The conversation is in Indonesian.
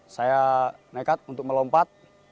saya nekat untuk melompat